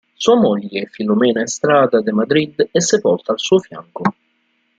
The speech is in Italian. Sua moglie Filomena Estrada de Madrid è sepolta al suo fianco.